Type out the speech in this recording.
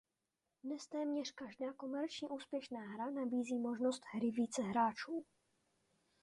Dnes téměř každá komerčně úspěšná hra nabízí možnost "hry více hráčů".